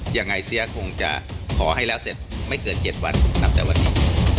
เสียคงจะขอให้แล้วเสร็จไม่เกิน๗วันนับแต่วันนี้